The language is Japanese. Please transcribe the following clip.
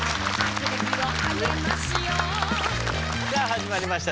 さあ始まりました